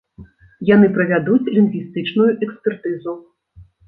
Яны правядуць лінгвістычную экспертызу.